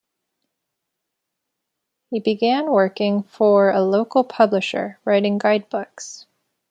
He began working for a local publisher writing guidebooks.